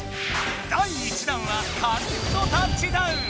第１弾は「紙フトタッチダウン」！